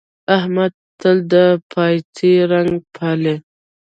احمد تل د پايڅې رنګ پالي.